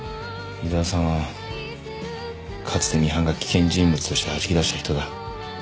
井沢さんはかつてミハンが危険人物としてはじき出した人だ。